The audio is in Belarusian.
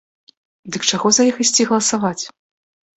Дык чаго за іх ісці галасаваць?!